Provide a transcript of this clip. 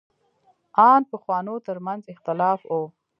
ان پخوانو تر منځ اختلاف و.